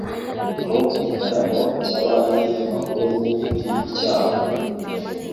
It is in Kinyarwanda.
Mu gitaramo cy'abandi bahungu, ndi icyago.